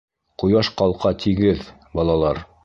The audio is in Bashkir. Ҡояш ҡалҡа тигеҙ, балалар.